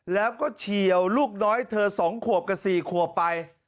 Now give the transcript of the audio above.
แล้วก็เฉียวลูกน้อยเธอ๒ขวบกับ๔ขวบไป